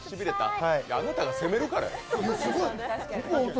あなたが攻めるからよ。